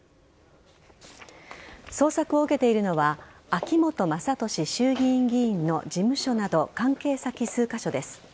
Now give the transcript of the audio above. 捜索を受けているのは秋本真利衆議院議員の事務所など関係先数カ所です。